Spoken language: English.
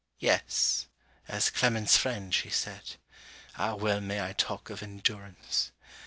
Yes! as Clement's friend, she said. Ah well may I talk of endurance!